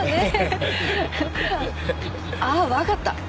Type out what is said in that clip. ああわかった！